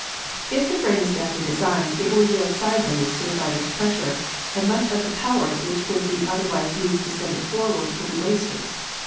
If the frame is badly designed it will yield sideways to the rider's pressure, and much of the power which would be otherwise used to send it forward will be wasted.